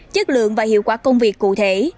chất lượng và hiệu quả công việc cụ thể